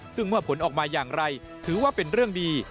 ซึ่งเมื่อผลออกมาอย่างไรถือว่าเป็นเรื่องดี